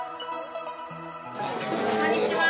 「こんにちは。